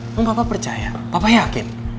emang papa percaya papa yakin